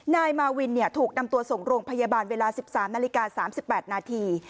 นายมาวินถูกนำตัวส่งโรงพยาบาลเวลา๑๓นาฬิกา๓๘นาที